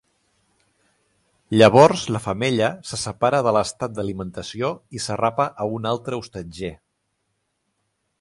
Llavors la femella se separa de l'estat d'alimentació i s'arrapa a un altre hostatger.